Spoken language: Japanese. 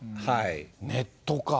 ネットか。